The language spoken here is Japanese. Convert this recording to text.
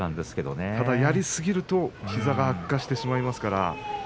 ただ、やりすぎると膝が悪化してしまいますからね。